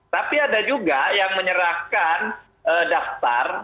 tapi ada juga yang menyerahkan daftar